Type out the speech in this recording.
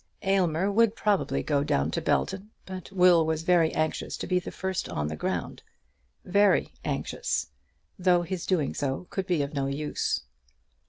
Aylmer would probably go down to Belton, but Will was very anxious to be the first on the ground, very anxious, though his doing so could be of no use.